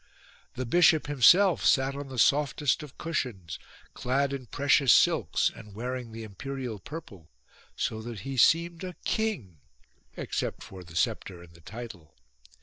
The bishop himself sat on the softest of cushions, clad in precious silks and wearing the imperial purple, so that he seemed a king except for the sceptre and the title.